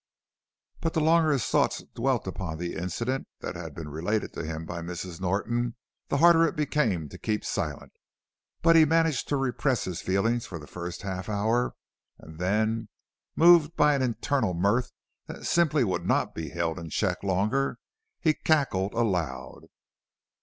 But the longer his thoughts dwelt upon the incident that had been related to him by Mrs. Norton the harder it became to keep silent. But he managed to repress his feelings for the first half hour and then, moved by an internal mirth that simply would not be held in check longer, he cackled aloud.